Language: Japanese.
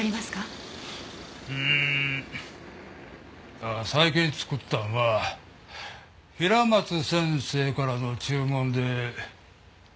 ああ最近作ったんは平松先生からの注文で４つ。